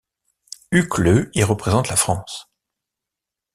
Hucleux y représente la France.